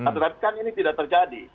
ternyata ini tidak terjadi